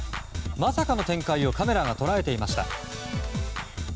まさかの展開をカメラが捉えていました。